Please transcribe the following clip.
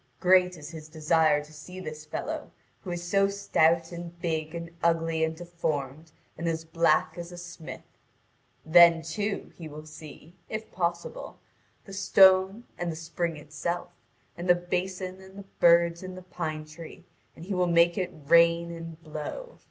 Great is his desire to see this fellow, who is so stout and big and ugly and deformed, and as black as a smith. Then, too, he will see, if possible, the stone and the spring itself, and the basin and the birds in the pine tree, and he will make it rain and blow.